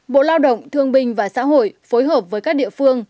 bộ lao động thương binh và xã hội phối hợp với các địa phương